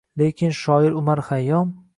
Lekin shoir Umar Xayyom